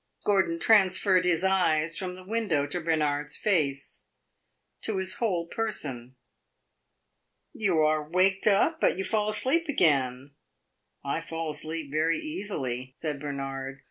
Gordon transferred his eyes from the window to Bernard's face to his whole person. "You are waked up? But you fall asleep again!" "I fall asleep very easily," said Bernard.